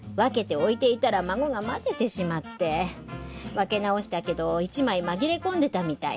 分け直したけど１枚紛れ込んでたみたい。